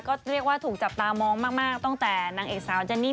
ก็เรียกว่าถูกจับตามองมากตั้งแต่นางเอกสาวเจนนี่